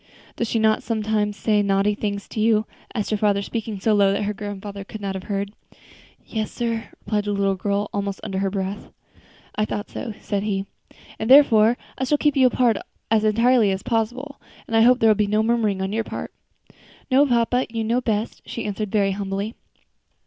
"Does she not sometimes say naughty things to you?" asked her father, speaking so low that her grandfather could not have heard. "Yes, sir," replied the little girl, almost under her breath. "I thought so," said he, "and therefore I shall keep you apart as entirely as possible; and I hope there will be no murmuring on your part." "No, papa, you know best," she answered, very humbly.